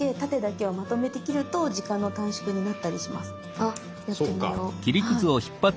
あやってみよう。